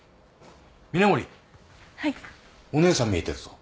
お姉さんみえてるぞ。